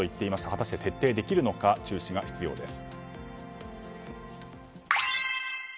果たして、徹底できるのか注視が必要です。